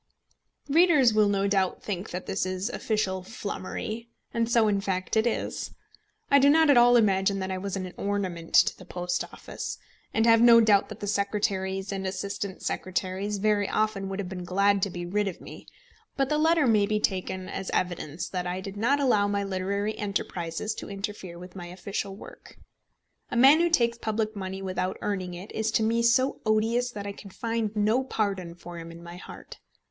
Readers will no doubt think that this is official flummery; and so in fact it is. I do not at all imagine that I was an ornament to the Post Office, and have no doubt that the secretaries and assistant secretaries very often would have been glad to be rid of me; but the letter may be taken as evidence that I did not allow my literary enterprises to interfere with my official work. A man who takes public money without earning it is to me so odious that I can find no pardon for him in my heart.